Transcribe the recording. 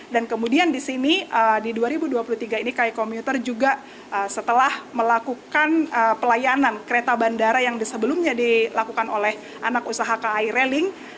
dan kemudian di sini di dua ribu dua puluh tiga ini kai komuter juga setelah melakukan pelayanan kereta bandara yang sebelumnya dilakukan oleh anak usaha kai railing